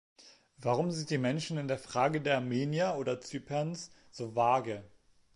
Warum sind die Menschen in der Frage der Armenier oder Zyperns so vage?